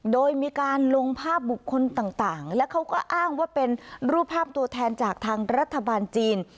โดยมีการลงภาพบุคคลต่างแล้วเขาก็อ้างว่าเป็นรูปภาพตัวแทนจากทางรัฐบาลจีน